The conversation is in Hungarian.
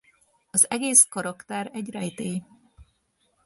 Az egész karakter egy rejtély.